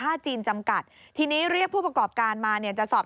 ยังไม่ถึงร้อยเมตรมาเขาก็มาเปิดกระจกด่า